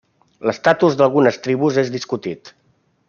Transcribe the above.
L'estatus d'algunes tribus és discutit.